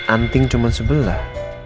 anting cuma sebelah